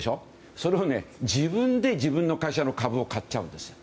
それを自分で自分の会社の株を買っちゃうんです。